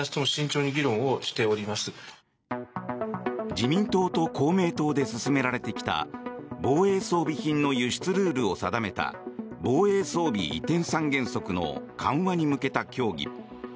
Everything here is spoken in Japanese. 自民党と公明党で進められてきた防衛装備品の輸出ルールを定めた防衛装備移転三原則の緩和に向けた協議。